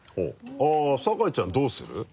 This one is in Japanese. あぁ酒井ちゃんどうする？